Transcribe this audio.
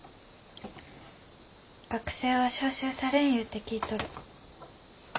学生は召集されんいうて聞いとる。